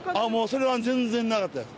それはもう全然なかったです。